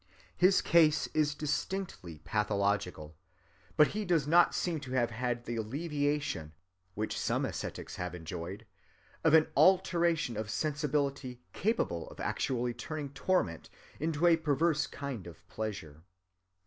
His case is distinctly pathological, but he does not seem to have had the alleviation, which some ascetics have enjoyed, of an alteration of sensibility capable of actually turning torment into a perverse kind of pleasure.